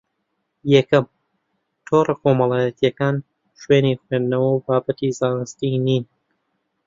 یەکەم: تۆڕە کۆمەڵایەتییەکان شوێنی خوێندنەوە و بابەتی زانستی نین